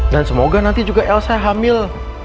dan semoga nanti juga elsa hamil